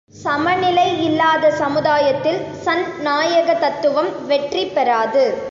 சமநிலை இல்லாத சமுதாயத்தில் சண் நாயக தத்துவம் வெற்றி பெறாது.